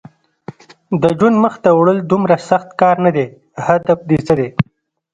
د ژوند مخته وړل دومره سخت کار نه دی، هدف دې څه دی؟